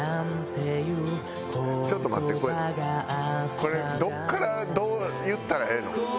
これどこからどう言ったらええの？